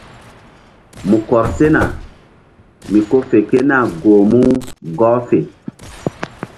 Mu kɔr sena mi ko fe ke nah goh mu gɔh fe.